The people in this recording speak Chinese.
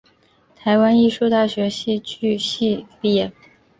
台湾艺术大学戏剧系毕业。